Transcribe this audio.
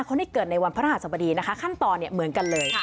คนที่เกิดในวันพระธรรมดีนะคะขั้นตอนเนี้ยเหมือนกันเลยค่ะ